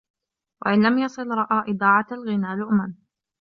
وَإِنْ لَمْ يَصِلْ رَأَى إضَاعَةَ الْغِنَى لُؤْمًا